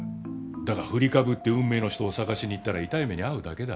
だが振りかぶって運命の人を探しに行ったら痛い目に遭うだけだ。